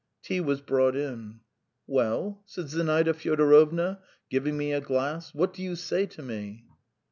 Tea was brought in. "Well?" said Zinaida Fyodorovna, giving me a glass. "What do you say to me?"